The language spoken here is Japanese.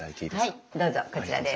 はいどうぞこちらです。